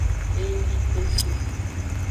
Edikeke.